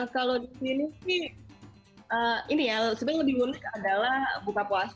kalau di sini sih ini ya sebenarnya lebih unik adalah buka puasa